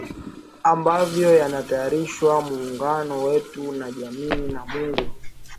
ambayo yanahatarisha muungano wetu na jamii na Mungu